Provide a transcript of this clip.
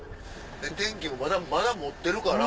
天気もまだ持ってるから。